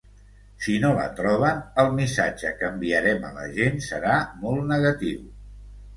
Si no la troben, el missatge que enviarem a la gent serà molt negatiu.